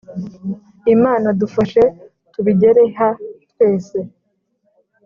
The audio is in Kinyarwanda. imana dufashe tubijyereha twese